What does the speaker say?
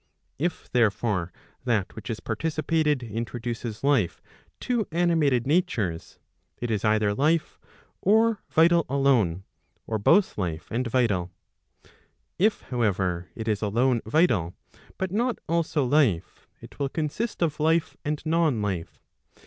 If therefore that which is participated introduces life to animated natures, it is either life, or vital alone, or both life and vital. If however, it is alone vital, but not also life, it will consist of life and non life.